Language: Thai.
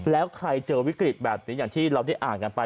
แล้วใครเจอวิกฤตแบบนี้อย่างที่เราได้อ่านกันไป